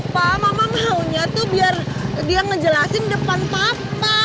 pak mama maunya tuh biar dia ngejelasin depan papa